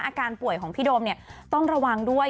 อาการป่วยของพี่โดมเนี่ยต้องระวังด้วย